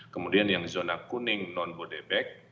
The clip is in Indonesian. kemudian yang zona kuning non bu rebek